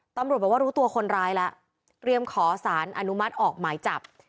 ตำรวจบอกว่ารู้ตัวคนร้ายแล้วเตรียมขอสารอนุมัติออกหมายจับ